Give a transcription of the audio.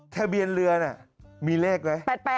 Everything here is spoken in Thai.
ทะเบียนเรือน่ะมีเลขไหม